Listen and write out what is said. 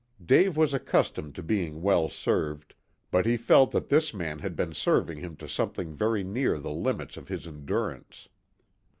Dave was accustomed to being well served, but he felt that this man had been serving him to something very near the limits of his endurance.